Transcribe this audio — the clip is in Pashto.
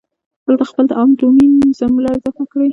دلته خپله د عام ډومین جمله اضافه کړئ.